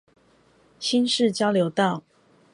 新市交流道